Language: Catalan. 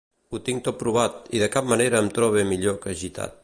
Ho tinc tot provat, i de cap manera em trobe millor que gitat.